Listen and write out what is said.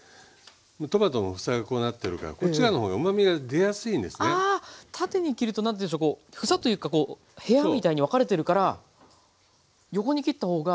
トマトの房がこうなってるからこちらの方がうまみが出やすいんですねああ縦に切ると何ていうんでしょう房というか部屋みたいに分かれているから横に切った方が。